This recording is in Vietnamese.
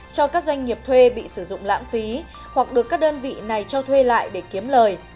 cho các doanh nghiệp thuê bị sử dụng lãng phí hoặc được các đơn vị này cho thuê lại để kiếm lời